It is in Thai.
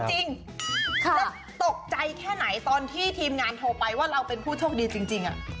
แล้วตกใจแค่ไหนตอนที่ทีมงานโทรไปว่าเราเป็นผู้โชคดีจริง